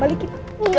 balikin itu hati gue